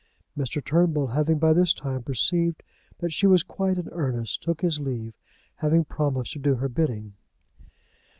Mr. Turnbull having by this time perceived that she was quite in earnest, took his leave, having promised to do her bidding.